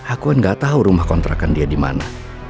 aku kan gak tau rumah kontrakan dia dimana